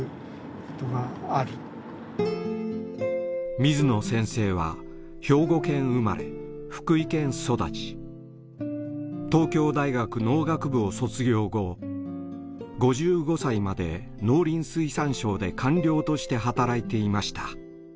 水野先生は東京大学農学部を卒業後５５歳まで農林水産省で官僚として働いていました。